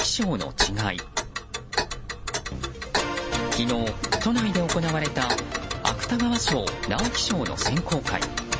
昨日、都内で行われた芥川賞・直木賞の選考会。